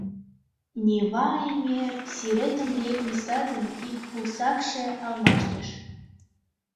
Нева эҥер сӱретым Летний садын ик пусакше алмаштыш.